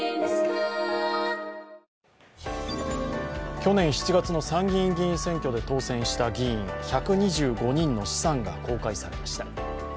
去年７月の参議院議員選挙で当選した議員１２５人の資産が公開されました